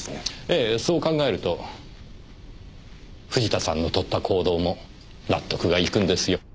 ええそう考えると藤田さんの取った行動も納得がいくんですよ。